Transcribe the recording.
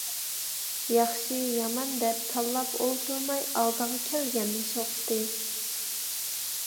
ياخشى - يامان دەپ تاللاپ ئولتۇرماي ئالدىغا كەلگەننى سوقتى.